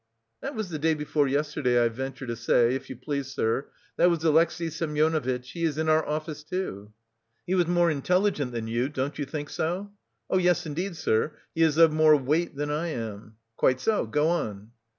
"That was the day before yesterday, I venture to say, if you please, sir. That was Alexey Semyonovitch; he is in our office, too." "He was more intelligent than you, don't you think so?" "Yes, indeed, sir, he is of more weight than I am." "Quite so; go on."